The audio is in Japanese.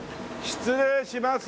失礼します